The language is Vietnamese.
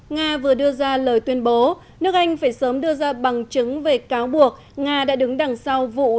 nga vừa đưa ra lời tuyên bố nước anh phải sớm đưa ra bằng chứng về cáo buộc nga đã đứng đằng sau vụ